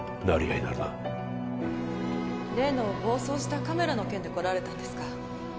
成合ならな例の暴走したカメラの件で来られたんですか？